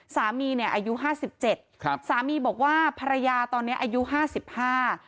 สามีเนี่ยอายุห้าสิบเจ็ดครับสามีบอกว่าภรรยาตอนเนี้ยอายุห้าสิบห้า